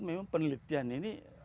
memang penelitian ini